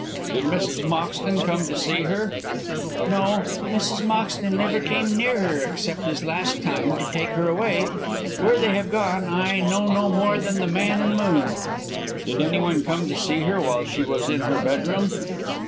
"Did Mrs. Moxton come to see her?" "No, Mrs. Moxton never came near her, except this last time to take her away. Where they have gone I know no more than the man in the moon." "Did anyone come to see her while she was in her bedroom."